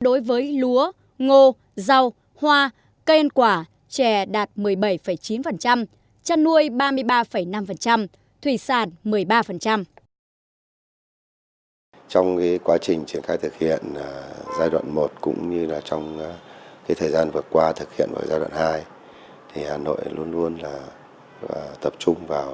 đối với lúa ngô rau hoa cây ăn quả chè đạt một mươi bảy chín chăn nuôi ba mươi ba năm thủy sản một mươi ba